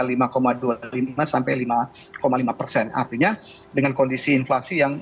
artinya dengan kondisi inflasi yang kemarin kita bisa menurunkan suku bunga